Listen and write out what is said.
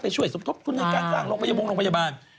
ช่วยสมทบทุนในการสร้างโรงพยาบาล